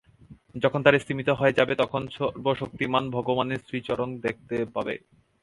যখন তারা স্তিমিত হয়ে যাবে, তখন সর্বশক্তিমান ভগবানের শ্রীচরণ দেখতে পাবে।